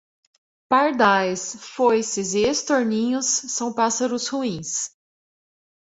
Pardais, foices e estorninhos são pássaros ruins.